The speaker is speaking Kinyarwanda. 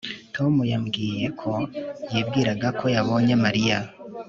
Tom yambwiye ko yibwiraga ko yabonye Mariya